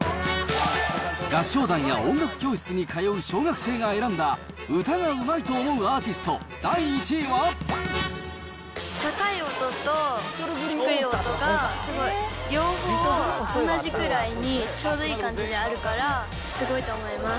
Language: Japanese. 合唱団や音楽教室に通う小学生が選んだ歌がうまいと思うアー高い音と低い音がすごい両方、同じくらいにちょうどいい感じであるから、すごいと思います。